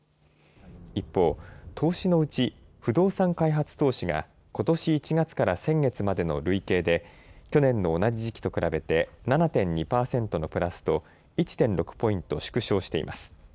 一方、投資のうち不動産開発投資がことし１月から先月までの累計で去年の同じ時期と比べて７．２％のプラスと１．６ポイント縮小しています。